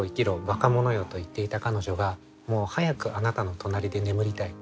ばかものよと言っていた彼女がもう早くあなたの隣で眠りたい。